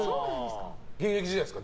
現役時代ですか？